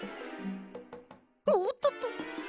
おっとっとっと！